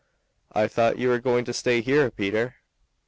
"I thought you were going to stay here, Peter."